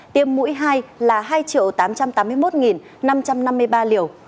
tiêm mũi hai là hai tám trăm tám mươi một năm trăm năm mươi ba liều